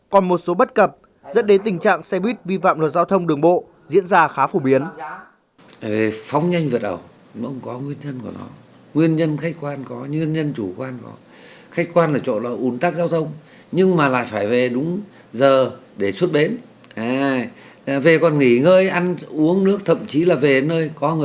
còn một số bất cập dẫn đến tình trạng xe buýt vi phạm luật giao thông